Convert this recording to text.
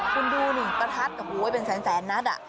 คุณดูหนิประทัดกับโอ้โหเป็นแสนนัดอ่ะ